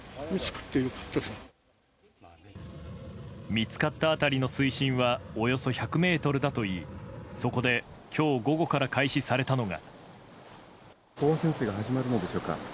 見つかった辺りの水深はおよそ１００ｍだといいそこで、今日午後から開始されたのが。